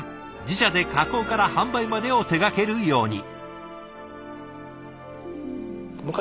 自社で加工から販売までを手がけるように。